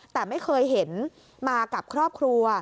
แต่ไม่เคยเห็นมากับครอบครัว